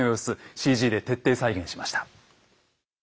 ＣＧで徹底再現しました。